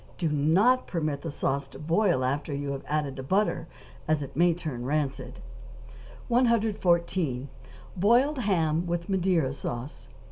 Do not permit the sauce to boil after you have added the butter, as it may turn rancid. 114. =Boiled Ham with Madeira Sauce.